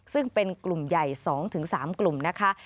ซึ่งเป็นกลุ่มใหญ่๒๓กลุ่มนะคะ